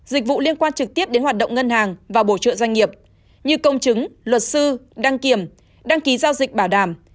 dịch vụ liên quan trực tiếp đến hoạt động ngân hàng và bổ trợ doanh nghiệp như công chứng luật sư đăng kiểm đăng ký giao dịch bảo đảm